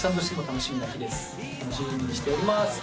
楽しみにしております。